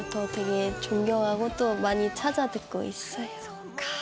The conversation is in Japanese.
そっか。